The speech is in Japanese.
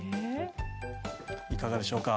いかがでしょうか？